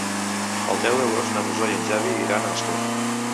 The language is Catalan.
El deu d'agost na Rosó i en Xavi iran a Ascó.